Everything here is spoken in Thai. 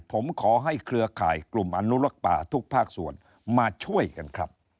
ผมขอให้เครือข่ายกลุ่มอนุลักป่าทุกภาคส่วนมาช่วยกันครับ